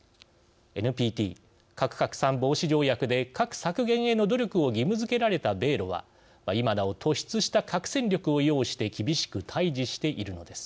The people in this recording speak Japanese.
ＮＰＴ＝核拡散防止条約で核削減への努力を義務づけられた米ロは今なお突出した核戦力を擁して厳しく対じしているのです。